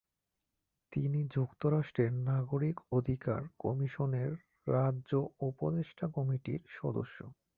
তিনি যুক্তরাষ্ট্রের নাগরিক অধিকার কমিশনের রাজ্য উপদেষ্টা কমিটির সদস্য।